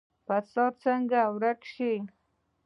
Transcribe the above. فساد باید څنګه ورک شي؟